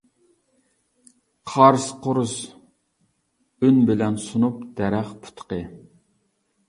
«قاراس-قۇرۇس» ئۈن بىلەن، سۇنۇپ دەرەخ پۇتىقى.